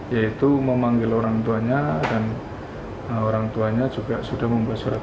yaitu memanggil orang tuanya dan orang tuanya juga sudah membuat surat